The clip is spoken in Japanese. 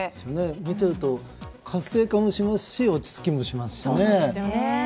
見ていると、活性化もしますし落ち着きもしますよね。